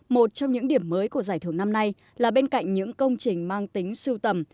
một trong những điểm mới của giải thưởng năm nay là bên cạnh những công trình mang tính sưu tầm